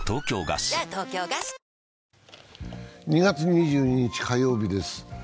２月２２日火曜日です。